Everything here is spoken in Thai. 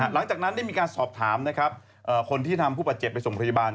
หลังจากนั้นได้มีการสอบถามนะครับคนที่ทำผู้บาดเจ็บไปส่งโรงพยาบาล